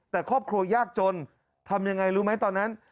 แต่ครอบครัวยากจนทำยังไงรู้ไหมตอนนั้น